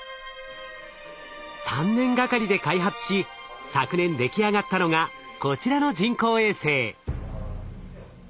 ３年がかりで開発し昨年出来上がったのがこちらの人工衛星。